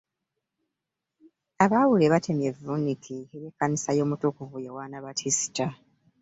Abaawule batemye evvunike elye kkanisa y'amutukuvu Yowaana Batisita.